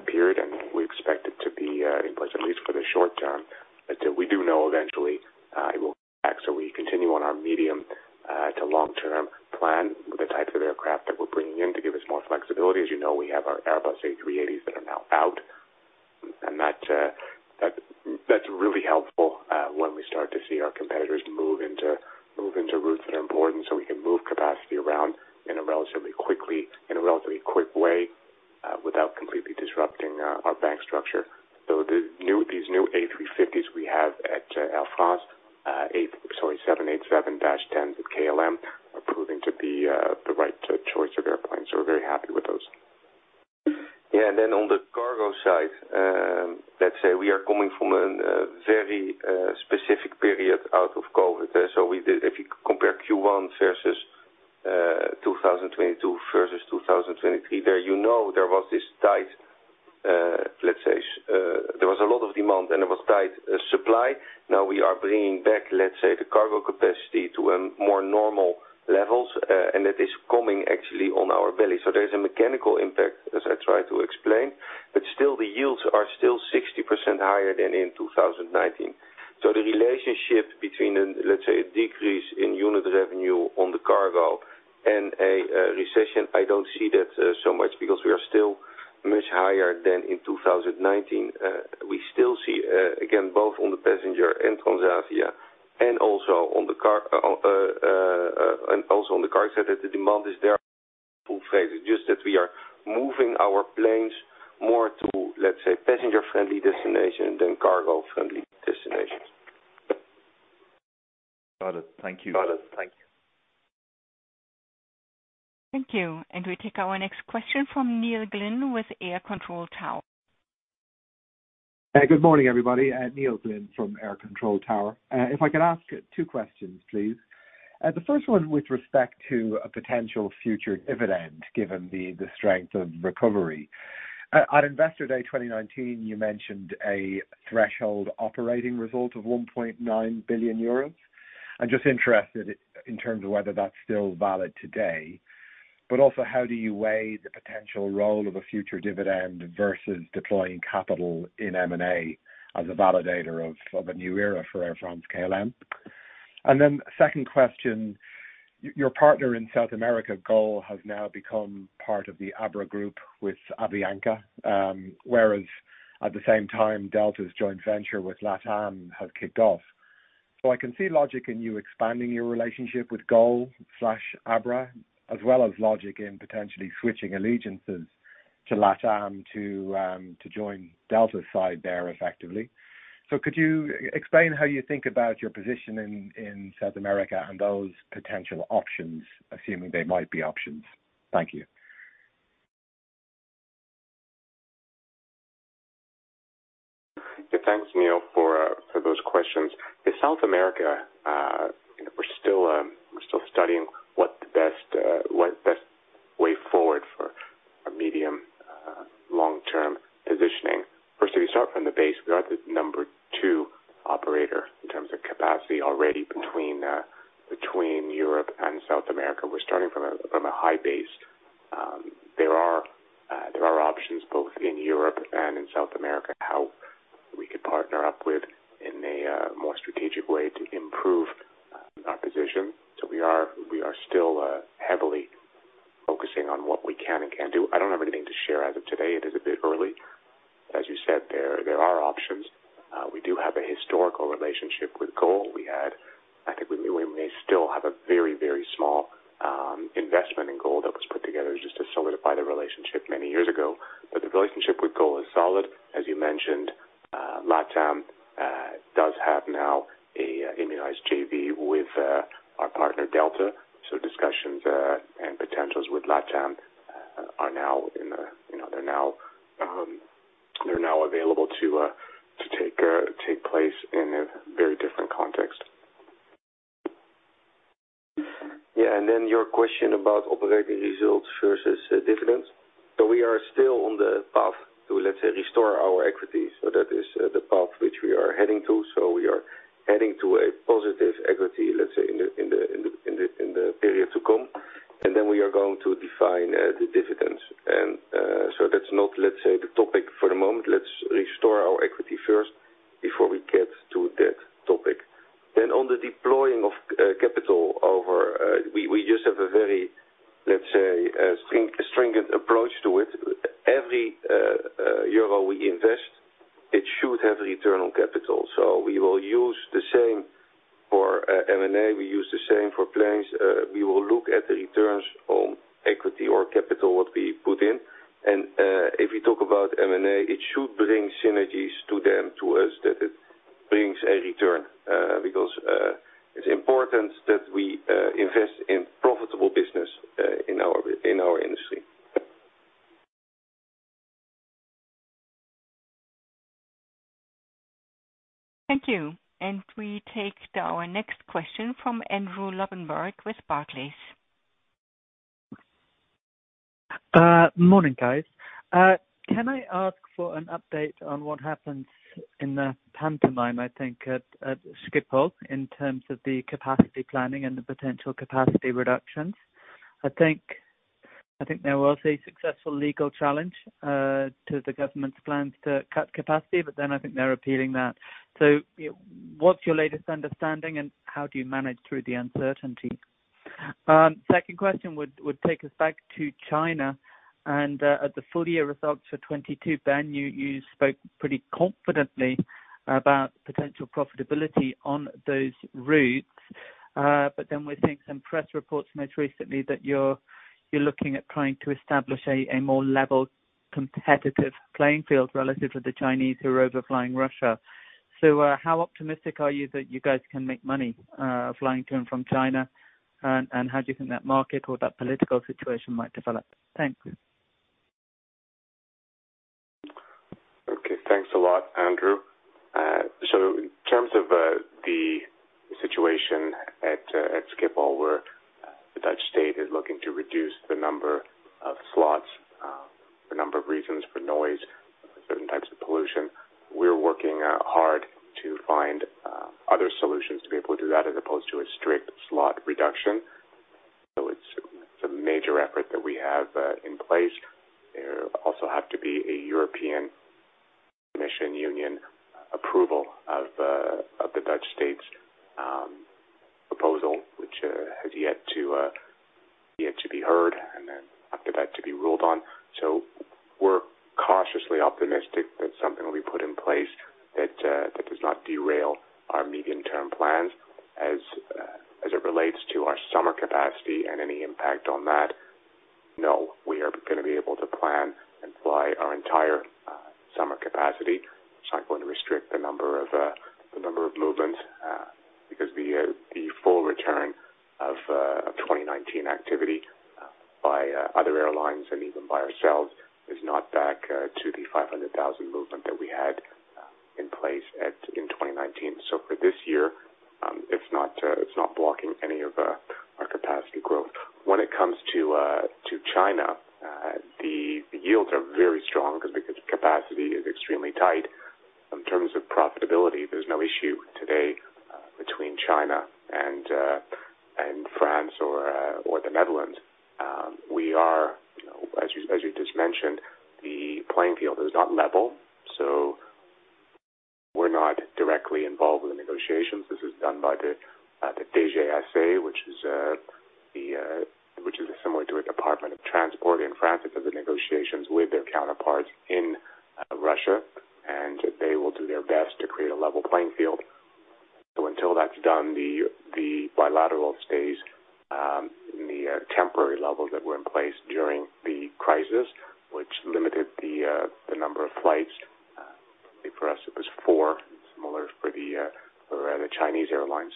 period, and we expect it to be in place at least for the short term, until we do know eventually it will come back. We continue on our medium to long-term plan with the types of aircraft that we're bringing in to give us more flexibility. As you know, we have our Airbus A380s that are now out, and That's really helpful, when we start to see our competitors move into routes that are important, so we can move capacity around everybody. Neil Glynn from AIR Control Tower. If I could ask two questions, please. The first one with respect to a potential future dividend, given the strength of recovery. At Investor Day 2019, you mentioned a threshold operating result of 1.9 billion euros. I'm just interested in terms of whether that's still valid today, but also how do you weigh the potential role of a future dividend versus deploying capital in M&A as a validator of a new era for Air France-KLM? Second question, your partner in South America, GOL, has now become part of the ABRA Group with Avianca, whereas at the same time, Delta's joint venture with LATAM has kicked off. I can see logic in you expanding your relationship with GOL/ABRA, as well as logic in potentially switching allegiances to LATAM to join Delta's side there effectively. Could you explain how you think about your position in South America and those potential options, assuming they might be options? Thank you. Yeah, thanks, Neil, for those questions. In South America, we're still studying what the best way forward for a medium, long-term positioning. First, if you start from the base, we are the number 2 operator in terms of capacity already between Europe and South America. We're starting from a high base. There are options both in Europe and in South America, how we could partner up with in a more strategic way to improve our position. We are still heavily focusing on what we can and can't do. I don't have anything to share as of today. It is a bit early. As you said, there are options. We do have a historical relationship with GOL. We had, I think we may still have a very, very small investment in GOL that was put together just to solidify the relationship many years ago. The relationship with GOL is solid. As you mentioned, LATAM does have now a immunized JV with our partner, Delta. Discussions, and potentials with LATAM are now in the, you know, they're now, they're now available to take place in a very different context. Your question about operating results versus dividends. We are still on the path to, let's say, restore our equity. That is the path which we are heading to. We are heading to a positive equity, let's say, in the period to come. We are going to define the dividends. That's not, let's say, the topic for the moment. Let's restore our equity first before we get to that topic. On the deploying of capital over, we just have a very, let's say, a stringent approach to it. Every euro we invest, it should have return on capital. We will use the same for M&A. We use the same for planes. We will look at the returns on equity or capital, what we put in. If you talk about M&A, it should bring synergies to them, to us, that it brings a return, because it's important that we invest in profitable business, in our industry. Thank you. We take our next question from Andrew Lobbenberg with Barclays. Morning, guys. Can I ask for an update on what happens in the pantomime, I think, at Schiphol in terms of the capacity planning and the potential capacity reductions? There was a successful legal challenge to the government's plans to cut capacity, I think they're appealing that. What's your latest understanding, and how do you manage through the uncertainty? Second question would take us back to China and at the full year results for 2022, Ben, you spoke pretty confidently about potential profitability on those routes. We're seeing some press reports most recently that you're looking at trying to establish a more level competitive playing field relative to the Chinese who are over flying Russia. How optimistic are you that you guys can make money flying to and from China? How do you think that market or that political situation might develop? Thank you. Okay, thanks a lot, Andrew. In terms of the situation at Schiphol, where the Dutch state is looking to reduce the number of slots, for a number of reasons, for noise, certain types of pollution, we're working hard to find other solutions to be able to do that as opposed to a strict slot reduction. It's a major effort that we have in place. There also have to be a European Commission Union approval of the Dutch state's proposal, which has yet to be heard and then after that, to be ruled on. We're cautiously optimistic that something will be put in place that does not derail our medium-term plans as it relates to our summer capacity and any impact on that. We are going to be able to plan and fly our entire summer capacity. It's not going to restrict the number of movements because the full return of 2019 activity by other airlines and even by ourselves is not back to the 500,000 movement that we had in place at, in 2019. For this year, it's not blocking any of our capacity growth. When it comes to China, the yields are very strong because capacity is extremely tight. In terms of profitability, there's no issue today between China and France or the Netherlands. We are, you know, as you just mentioned, the playing field is not level, so we're not directly involved with the negotiations. This is done by the DGAC, which is the, which is similar to a Department of Transport in France. It has the negotiations with their counterparts in Russia. They will do their best to create a level playing field. Until that's done, the bilateral stays in the temporary levels that were in place during the crisis, which limited the number of flights. For us, it was 4. Similar for the Chinese airlines.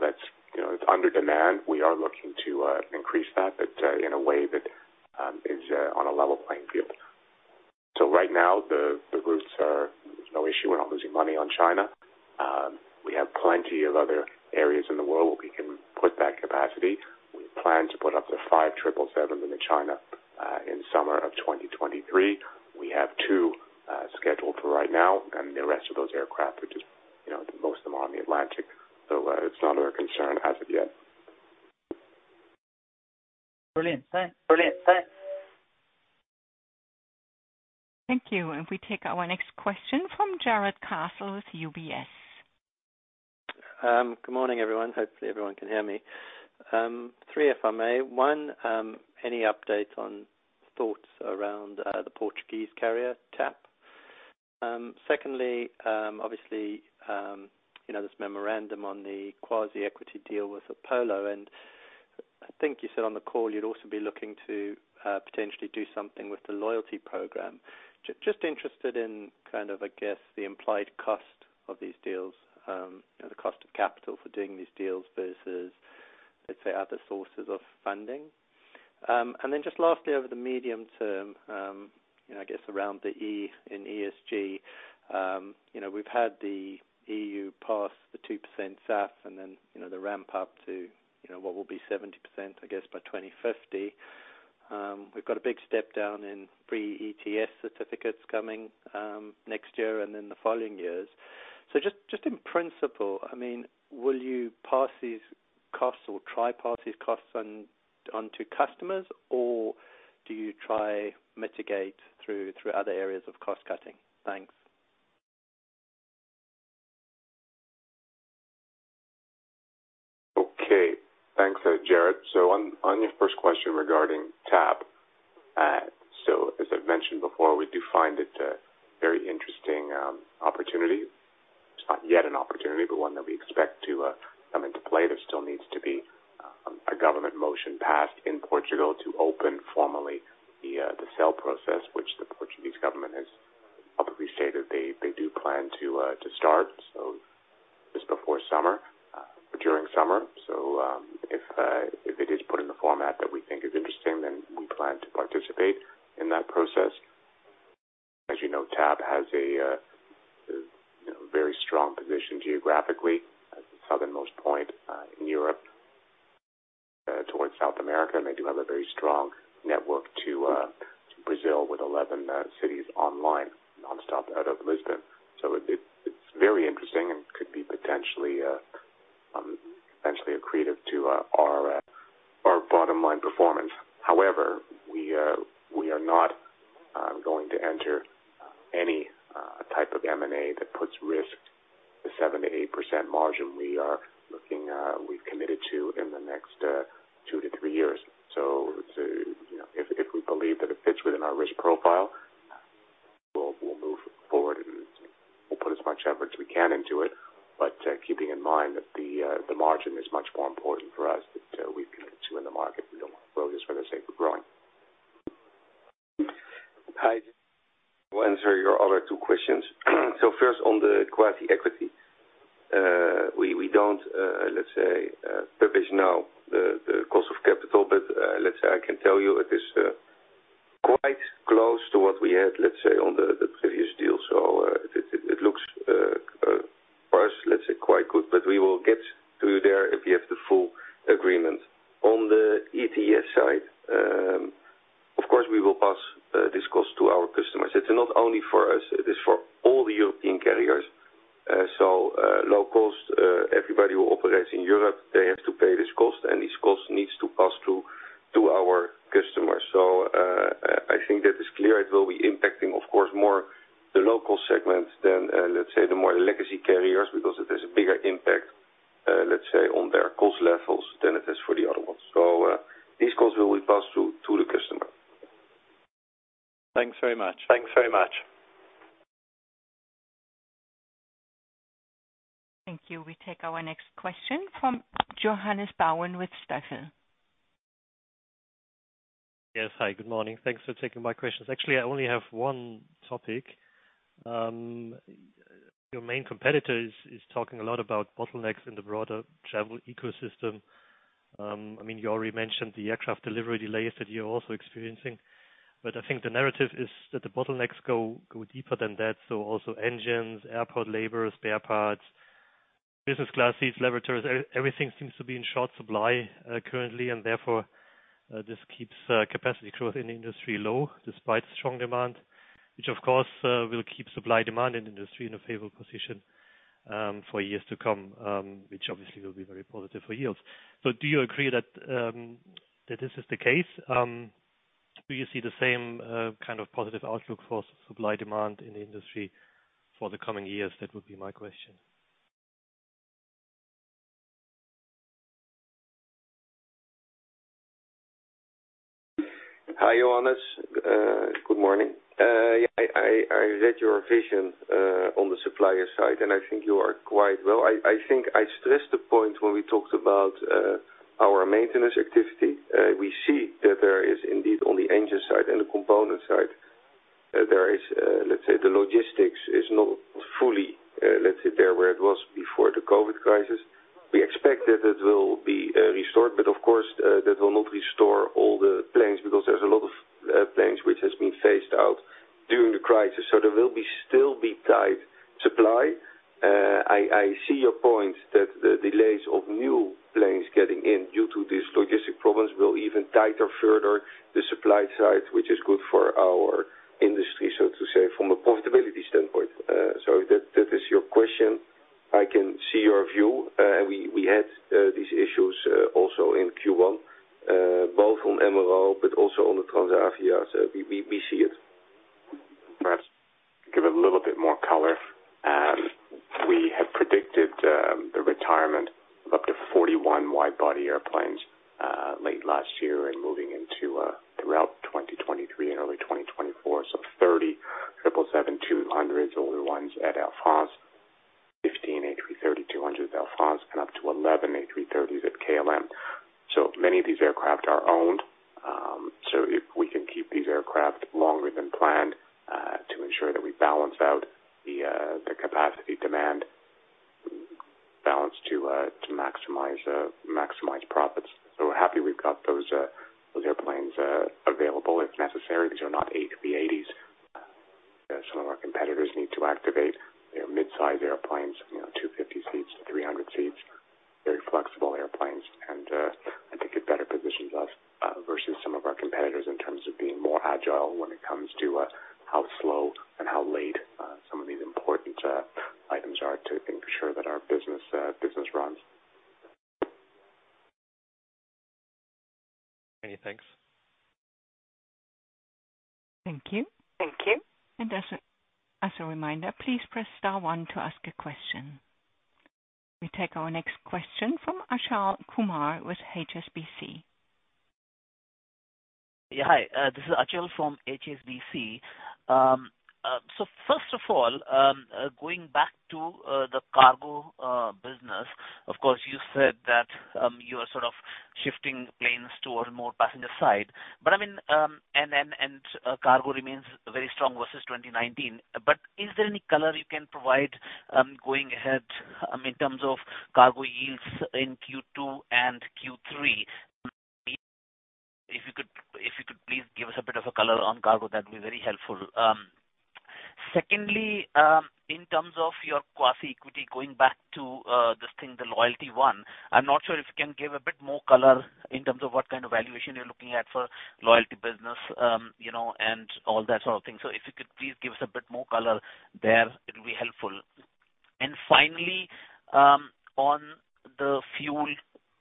That's, you know, under demand. We are looking to increase that, but in a way that is on a level playing field. Right now, the routes are. There's no issue. We're not losing money on China. We have plenty of other areas in the world where we can put that capacity. We plan to put up to 5 777 into China in summer of 2023. We have 2 scheduled for right now, and the rest of those aircraft are just, you know, most of them are on the Atlantic. It's not a concern as of yet. Brilliant. Thanks. Thank you. We take our next question from Jarrod Castle, UBS. Good morning, everyone. Hopefully everyone can hear me. 3, if I may. One, any updates on thoughts around the Portuguese carrier TAP? Secondly, obviously, you know, this memorandum on the quasi-equity deal with Apollo, and I think you said on the call you'd also be looking to potentially do something with the loyalty program. Just interested in kind of, I guess, the implied cost of these deals, you know, the cost of capital for doing these deals versus, let's say, other sources of funding. And then just lastly, over the medium term, you know, I guess around the E in ESG, you know, we've had the EU pass the 2% SAF and then, you know, the ramp up to, you know, what will be 70%, I guess, by 2050. We've got a big step down in pre-ETS certificates coming next year and then the following years. just in principle, I mean, will you pass these costs or try pass these costs on, onto customers, or do you try mitigate through other areas of cost cutting? Thanks. Okay. Thanks, Jarrod. On your first question regarding TAP, as I've mentioned before, we do find it a very interesting opportunity. It's not yet an opportunity, but one that we expect to come into play. There still needs to be a government motion passed in Portugal to open formally the sale process, which the Portuguese government has publicly stated they do plan to start just before summer during summer. If it is put in the format that we think is interesting, then we plan to participate in that process. As you know, TAP has a, you know, very strong position geographically at the southernmost point in Europe, towards South America, and they do have a very strong network to Brazil with 11 cities online, non-stop out of Lisbon. It's very interesting and could be potentially accretive to our bottom line performance. However, we are notI'm going to enter any type of M&A that puts risk to 7%-8% margin we are looking, we've committed to in the next 2-3 years. To, you know, if we believe that it fits within our risk profile, we'll move forward, and we'll put as much effort as we can into it. Keeping in mind that the margin is much more important for us that, we committed to in the market. We don't want growth just for the sake of growing. I will answer your other two questions. First on the quasi-equity. We don't, let's say, provision now the cost of capital. Let's say I can tell you it is quite close to what we had, let's say, on the previous deal. It looks, for us, let's say, quite good. We will get to there if we have the full agreement. On the ETS side, of course we will pass this cost to our customers. It's not only for us, it is for all the European carriers. Low cost, everybody who operates in parts, business class seats, laboratories, everything seems to be in short supply currently. Therefore, this keeps capacity growth in the industry low despite strong demand. Which of course, will keep supply demand in the industry in a favorable position for years to come, which obviously will be very positive for yields. Do you agree that this is the case? Do you see the same kind of positive outlook for supply demand in the industry for the coming years? That would be my question. Hi, Johannes. Good morning. I read your vision on the supplier side. I think you are quite well. I think I stressed the point when we talked about our maintenance activity. We see that there is indeed on the engine side and the component side, there is, let's say, the logistics is not fully, let's say, there where it was before the COVID crisis. We expect that it will be restored. Of course, that will not restore all the planes because there's a lot of planes which has been phased out during the crisis. There will still be tight supply. I see your point that the delays of new planes getting in due to these logistic problems will even tighter further the supply side, which is good for our industry, so to say, from a profitability standpoint. That is your question. I can see your view. We had these issues also in Q1, both on MRO but also on the Transavia. We see it. Perhaps give a little bit more color. We have predicted the retirement of up to 41 wide body airplanes late last year and moving into throughout 2023 and early 2024. 30 777-200s, older ones at Air France, 15 A330-200s Air France, and up to 11 A330s at KLM. Many of these aircraft are owned, if we can keep these aircraft longer than planned to ensure that we balance out the capacity demand balance to maximize profits. We're happy we've got those airplanes available if necessary. These are not A380s. Some of our competitors need to activate their mid-size airplanes, you know, 250 seats, 300 seats, very flexible airplanes. I think it better positions us versus some of our competitors in terms of being more agile when it comes to how slow and how late some of these important items are to ensure that our business runs. Okay, thanks. Thank you. Thank you. As a reminder, please press star 1 to ask a question. We take our next question from Achal Kumar with HSBC. Hi, this is Achal from HSBC. First of all, going back to the cargo business, of course, you said that you are sort of shifting planes towards more passenger side, but I mean, and then, and cargo remains very strong versus 2019. Is there any color you can provide, going ahead, in terms of cargo yields in Q2 and Q3? If you could please give us a bit of a color on cargo, that'd be very helpful. Secondly, in terms of your quasi-equity, going back to this thing, the loyalty one, I'm not sure if you can give a bit more color in terms of what kind of valuation you're looking at for loyalty business, you know, and all that sort of thing. If you could please give us a bit more color there, it'll be helpful. Finally, on the fuel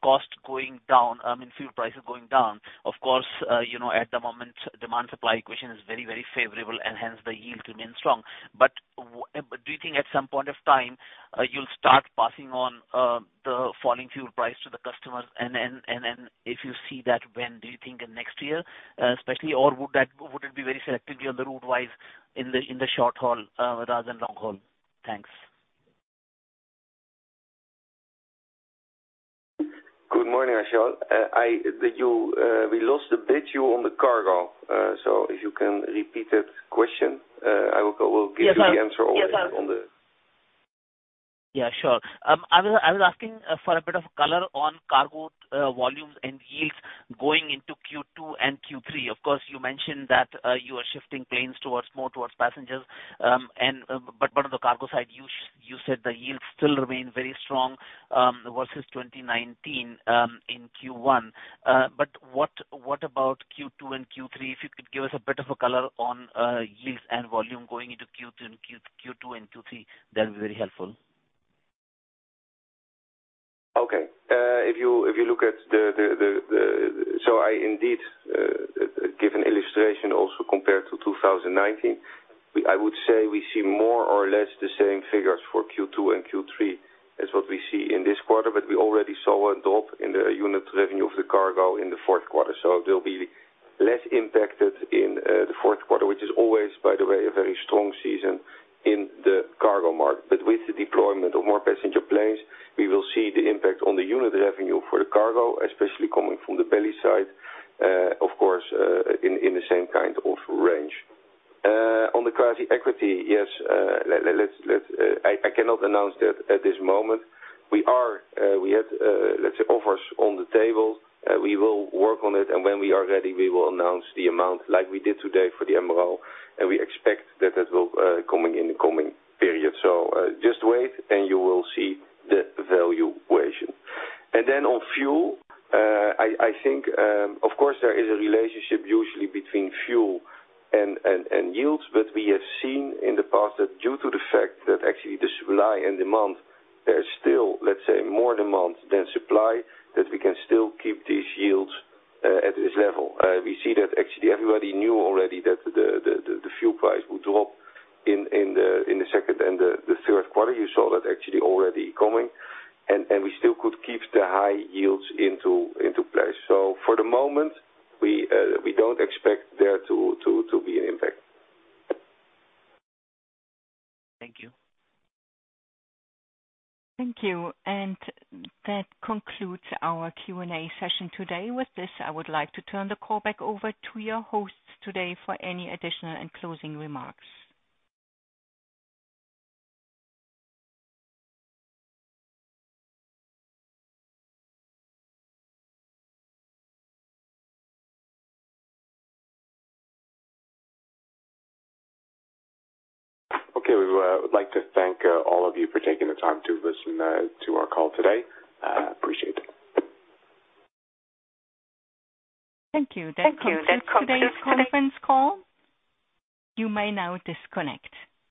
cost going down, I mean fuel prices going down, of course, you know, at the moment demand supply equation is very, very favorable and hence the yield remains strong. Do you think at some point of time, you'll start passing on the falling fuel price to the customers? Then, if you see that, when do you think in next year, especially, or would it be very selectively on the route-wise in the short haul, rather than long haul? Thanks. Good morning, Sathish. Did you, we lost a bit you on the cargo. If you can repeat that question, we'll give you the answer on the. Yeah, sure. I was asking for a bit of color on cargo, volumes and yields going into Q2 and Q3. Of course, you mentioned that, you are shifting planes towards more towards passengers. But on the cargo side, you said the yields still remain very strong, versus 2019, in Q1. But what about Q2 and Q3? If you could give us a bit of a color on, yields and volume going into Q2 and Q2 and Q3, that'll be very helpful. Okay. If you look at the. I indeed, give an illustration also compared to 2019. I would say we see more or less the same figures for Q2 and Q3 as what we see in this quarter, but we already saw a drop in the unit revenue of the cargo in the Q4. They'll be less impacted in the Q4, which is always, by the way, a very strong season in the cargo market. With the deployment of more passenger planes, we will see the impact on the unit revenue for the cargo, especially coming from the belly side, of course, in the same kind of range. On the quasi equity, yes, let's, I cannot announce that at this moment. We are, we have, let's say offers on the table. We will work on it, when we are ready, we will announce the amount like we did today for the MRO, and we expect that will coming in the coming period. Just wait, and you will see the valuation. Then on fuel, I think, of course there is a relationship usually between fuel and yields. We have seen in the past that due to the fact that actually the supply and demand, there's still, let's say, more demand than supply, that we can still keep these yields at this level. We see that actually everybody knew already that the fuel price would drop in the second and the third quarter. You saw that actually already coming. We still could keep the high yields into place. For the moment we don't expect there to be an impact. Thank you. Thank you. That concludes our Q&A session today. With this, I would like to turn the call back over to your hosts today for any additional and closing remarks. Okay. We would like to thank all of you for taking the time to listen to our call today. Appreciate it. Thank you. That concludes today's conference call. You may now disconnect.